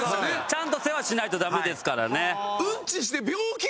ちゃんと世話しないとダメですからね。